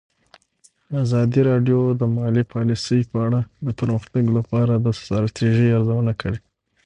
ازادي راډیو د مالي پالیسي په اړه د پرمختګ لپاره د ستراتیژۍ ارزونه کړې.